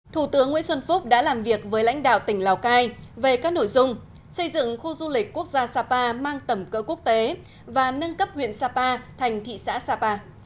thủ tướng nguyễn xuân phúc đã làm việc với lãnh đạo tỉnh lào cai về các nội dung xây dựng khu du lịch quốc gia sapa mang tầm cỡ quốc tế và nâng cấp huyện sapa thành thị xã sapa